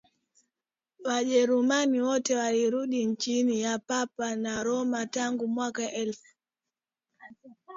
Wajerumani wote warudi chini ya Papa wa Roma Tangu mwaka elfu